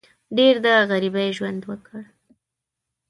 ډېر د غریبۍ ژوند وکړ.